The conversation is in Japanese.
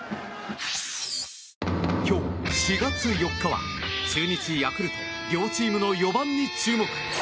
今日４月４日は中日、ヤクルト両チームの４番に注目。